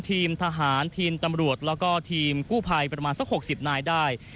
ทีมทหารทีมตำรวจแล้วก็ทีมกู้ภัยประมาณสัก๖๐นายได้